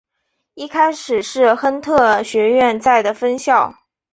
一开始是亨特学院在的分校。